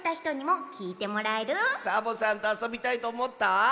サボさんとあそびたいとおもった？